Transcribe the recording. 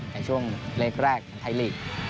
ในช่วงเลขแรกไทยลีก